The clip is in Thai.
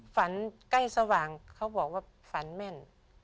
ใกล้สว่างเขาบอกว่าฝันแม่น